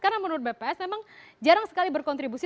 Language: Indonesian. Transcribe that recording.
karena menurut bps memang jarang sekali berkontribusi